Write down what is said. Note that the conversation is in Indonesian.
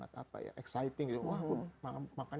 jadi sebenarnya nafsu makan